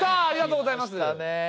ありがとうございます。